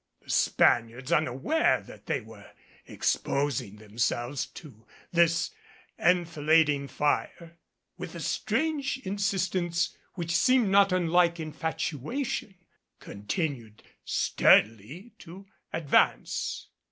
The Spaniards, unaware that they were exposing themselves to this enfilading fire, with a strange insistence which seemed not unlike infatuation, continued sturdily to advance.